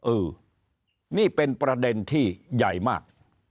เออนี่เป็นประเด็นที่ใหญ่มาก